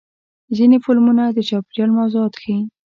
ځینې فلمونه د چاپېریال موضوعات ښیي.